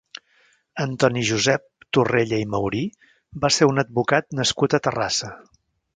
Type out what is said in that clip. Antoni Josep Torrella i Maurí va ser un advocat nascut a Terrassa.